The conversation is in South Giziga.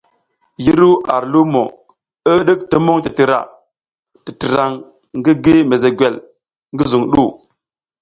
Yi ru ar limo, i hidik tumung titira titirang ngi gi mezegwel ngi zuŋ du.